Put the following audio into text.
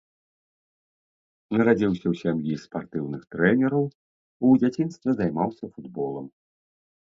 Нарадзіўся ў сям'і спартыўных трэнераў, у дзяцінстве займаўся футболам.